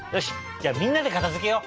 じゃあみんなでかたづけよう！